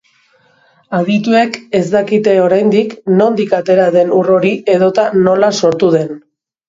Adituek ez dakite oraindik nondik atera den ur hori edota nola sortu den.